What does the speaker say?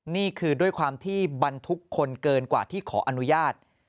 นี่คือด้วยความที่บรรทุกคนเกินกว่าที่ขออนุญาต